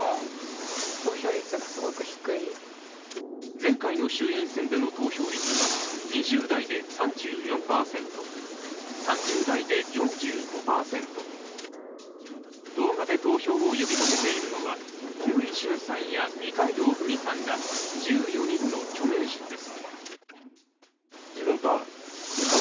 前回の衆院選での投票率は２０代で３４％３０代で４５％動画で投票を呼び掛けているのは小栗旬さんや二階堂ふみさんら１４人の著名人です。